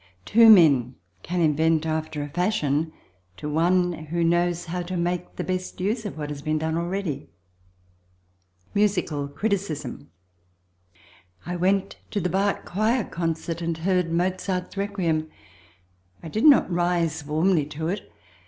Two men can invent after a fashion to one who knows how to make the best use of what has been done already. Musical Criticism I went to the Bach Choir concert and heard Mozart's Requiem. I did not rise warmly to it.